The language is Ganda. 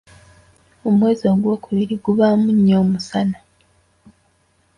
Omwezi ogwokubiri gubaamu nnyo omusana.